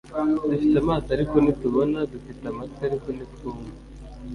Dufite amaso ariko ntitubona dufite amatwi ariko ntitwumva